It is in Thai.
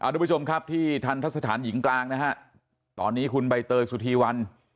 ทุกผู้ชมครับที่ทันทะสถานหญิงกลางนะฮะตอนนี้คุณใบเตยสุธีวัน